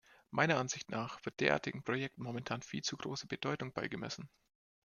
Meiner Ansicht nach wird derartigen Projekten momentan viel zu große Bedeutung beigemessen.